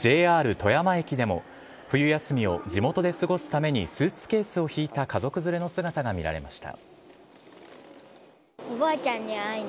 富山駅でも冬休みを地元で過ごすためにスーツケースを引いた家族連れの姿が見られました。